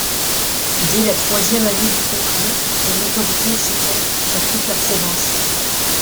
Dès la troisième année du conflit, son autorité s’étend sur toute la province.